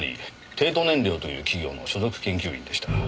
帝都燃料という企業の所属研究員でした。